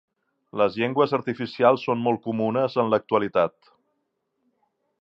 Les llengües artificials són molt comunes en l'actualitat.